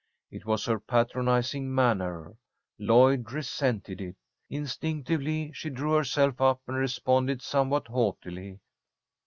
It was her patronizing manner. Lloyd resented it. Instinctively she drew herself up and responded somewhat haughtily.